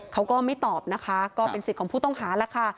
เขาก็ไม่ตอบนะคะก็เป็นสิทธิ์ของผู้ต้องหาแล้วค่ะ